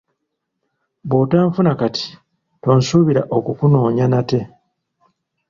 Bw’otanfuna kati, tonsuubira okukunoonya nate.